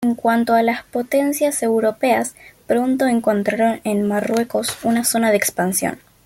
En cuanto a las potencias europeas pronto encontraron en Marruecos una zona de expansión.